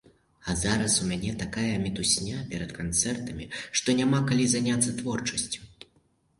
А зараз у мяне такая мітусня перад канцэртамі, што няма калі заняцца творчасцю.